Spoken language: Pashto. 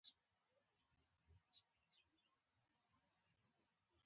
د افغانستان په منظره کې ژمی ښکاره ده.